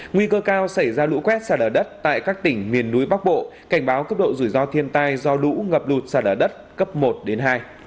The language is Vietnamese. nguy cơ cao xảy ra lũ quét xà đở đất tại các tỉnh miền núi bắc bộ cảnh báo cấp độ rủi ro thiên tai do lũ ngập lụt xà đở đất cấp một đến hai